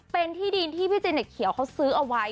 เป็นที่ดินที่พี่เจเน็ตเขียวเขาซื้อเอาไว้